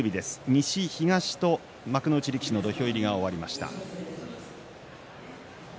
西、東と幕内力士の土俵入りが終わりました。